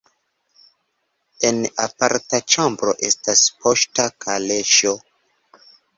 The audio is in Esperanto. En aparta ĉambro estas poŝta kaleŝo.